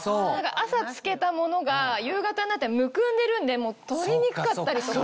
朝着けたものが夕方になったらむくんでるんで取りにくかったりとか。